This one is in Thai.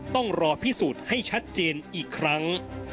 ต้องรอพิสูจน์ให้ชัดเจนอีกครั้ง